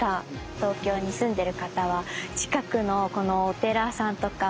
東京に住んでる方は近くのお寺さんとか仏像さん